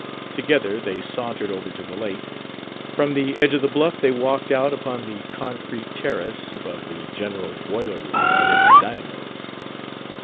Together they sauntered over to the lake. From the edge of the bluff they walked out upon the concrete terrace above the general boiler room and its dynamos.